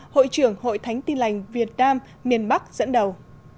hội trưởng hội thánh tin lành việt nam miền bắc dẫn đầu